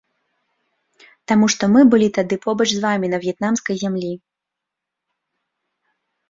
Таму што мы былі тады побач з вамі на в'етнамскай зямлі.